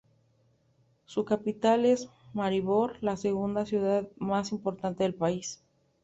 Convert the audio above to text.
Su capital es Maribor, la segunda ciudad más importante del país.